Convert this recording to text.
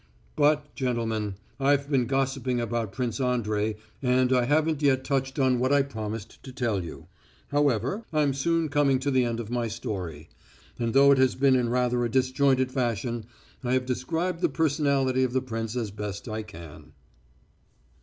But, gentlemen, I've been gossiping about Prince Andrey and I haven't yet touched on what I promised to tell you. However, I'm soon coming to the end of my story. And, though it has been in rather a disjointed fashion, I have described the personality of the prince as best I can.